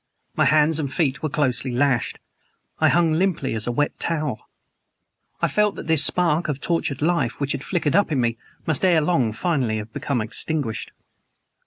My hands and feet were closely lashed. I hung limply as a wet towel: I felt that this spark of tortured life which had flickered up in me must ere long finally become extinguished.